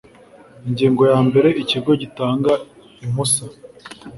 Ingingo ya mbere Ikigo gitanga impusa